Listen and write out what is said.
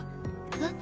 えっ？